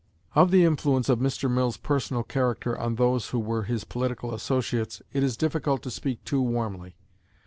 Of the influence of Mr. Mill's personal character on those who were his political associates, it is difficult to speak too warmly.